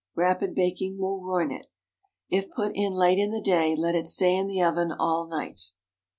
Rapid baking will ruin it. If put in late in the day, let it stay in the oven all night.